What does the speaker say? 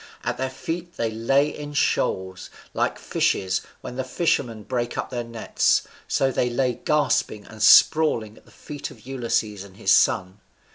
At their feet they lay in shoals: like fishes, when the fishermen break up their nets, so they lay gasping and sprawling at the feet of Ulysses and his son.